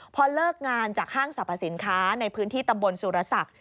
พอเลิกงานจากห้างสรรพสินค้าในพื้นที่ตำบลสุรศักดิ์